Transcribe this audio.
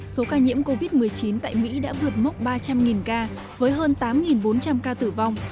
số ca nhiễm covid một mươi chín tại mỹ đã vượt mốc ba trăm linh ca với hơn tám bốn trăm linh ca tử vong